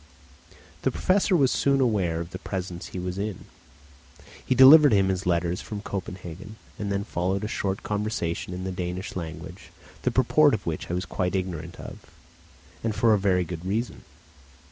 The Professor was soon aware of the presence he was in. He delivered him his letters from Copenhagen, and then followed a short conversation in the Danish language, the purport of which I was quite ignorant of, and for a very good reason.